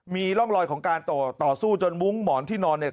มีร่องรอยของการต่อต่อสู้จนมุ้งหมอนที่นอนเนี่ย